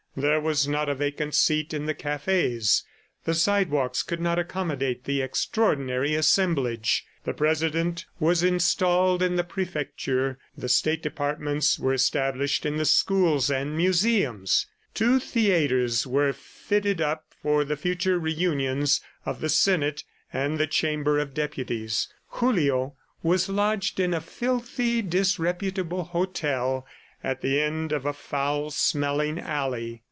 There was not a vacant seat in the cafes; the sidewalks could not accommodate the extraordinary assemblage. The President was installed in the Prefecture; the State Departments were established in the schools and museums; two theatres were fitted up for the future reunions of the Senate and the Chamber of Deputies. Julio was lodged in a filthy, disreputable hotel at the end of a foul smelling alley.